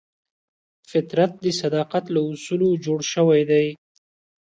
فطرت د صداقت له اصولو جوړ شوی دی.